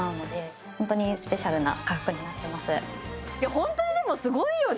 ホントにでもすごいよね